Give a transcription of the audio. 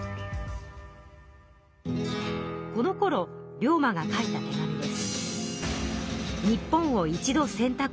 このころ龍馬が書いた手紙です。